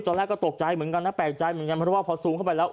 ตอนแรกก็ตกใจเหมือนกันนะแปลกใจเหมือนกันเพราะว่าพอซูมเข้าไปแล้ว